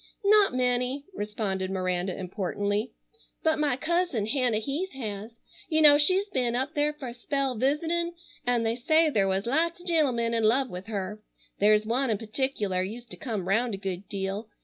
"Not many," responded Miranda importantly, "but my cousin Hannah Heath has. You know she's ben up there for a spell visitin' an' they say there was lots of gentlemen in love with her. There's one in particular used to come round a good deal.